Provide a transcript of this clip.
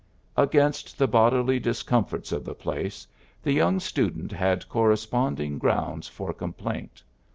'' Against the bodily discomforts of the place, the young stu dent had corresponding grounds for com plaint.